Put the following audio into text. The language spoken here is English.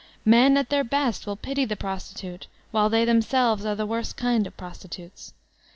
Men, at their best, will pity the pim* Sex Slavery 355 titute, white they themselves are the worst kind of prosti tutes.